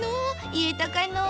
いえたかのう？